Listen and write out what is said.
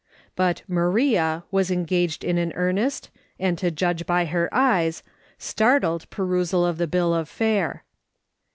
But " Maria" was engaged in an earnest, and to judge by her eyes, startled perusal of the bill of fare.